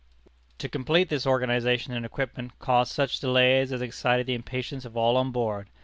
To complete this organization and equipment caused such delays as excited the impatience of all on board.